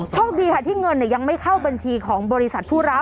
โชคดีค่ะที่เงินยังไม่เข้าบัญชีของบริษัทผู้รับ